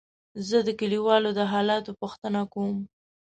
زه د کليوالو د حالاتو پوښتنه کوم.